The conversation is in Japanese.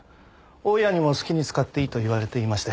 大家にも好きに使っていいと言われていまして。